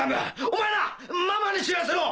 お前はママに知らせろ！